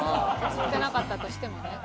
映ってなかったとしてもね。